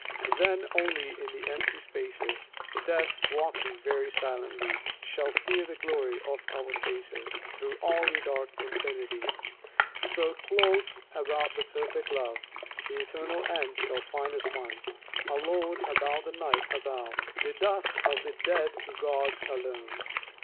Then only in the empty spaces, Death, walking very silently, Shall fear the glory of our faces Through all the dark infinity. So, clothed about with perfect love, The eternal end shall find us one, Alone above the Night, above The dust of the dead gods, alone.